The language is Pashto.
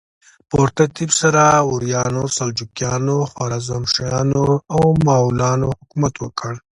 په ترتیب سره غوریانو، سلجوقیانو، خوارزمشاهیانو او مغولانو حکومت وکړ.